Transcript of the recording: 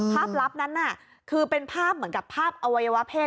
ลับนั้นน่ะคือเป็นภาพเหมือนกับภาพอวัยวะเพศ